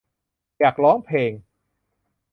อยากร้องเพลง